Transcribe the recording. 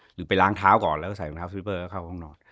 หรือไปล้างเท้าก่อนแล้วก็ใส่รองเท้าสวิปเปอร์ก็เข้าห้องนอน